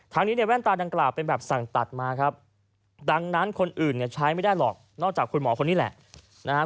ทางนี้แว่นตาดังกล่าวเป็นแบบสั่งตัดมาดังนั้นคนอื่นใช้ไม่ได้หรอกนอกจากคุณหมอคนนี้แหละ